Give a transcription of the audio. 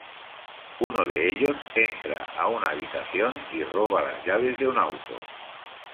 Uno de ellos entra a una habitación y roba las llaves de un auto.